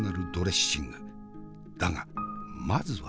だがまずは。